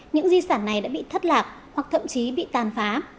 những di sản này đã bị thất lạc hoặc thậm chí bị tàn phá